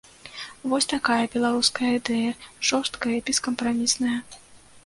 Вось такая беларуская ідэя, жорсткая і бескампрамісная.